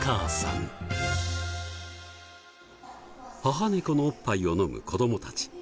母ネコのおっぱいを飲む子どもたち。